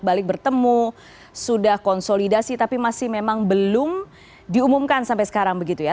balik bertemu sudah konsolidasi tapi masih memang belum diumumkan sampai sekarang begitu ya